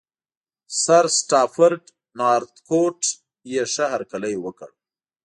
سرسټافرډ نارتکوټ یې ښه هرکلی وکړ.